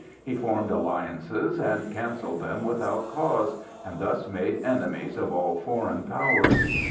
He formed alliances and cancelled them without cause, and thus made enemies of all foreign powers.